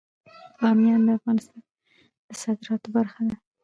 بامیان د افغانستان د صادراتو برخه ده.